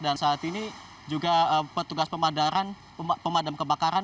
dan saat ini juga petugas pemadam kebakaran